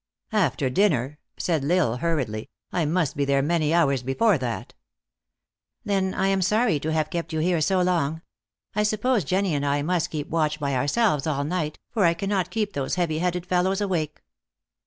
" After dinner !" said L isle hurriedly. " I must be there many hours before that !" 372 THE ACTRESS IN HIGH LIFE. "Then I am sorry to have kept you here so long. I suppose Jenny and I must keep watch by ourselves all night, for I cannot keep those heavy headed fellows awake."